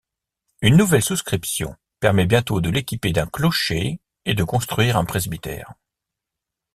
Une nouvelle souscription permet bientôt de l’équiper d’un clocher et de construire un presbytère.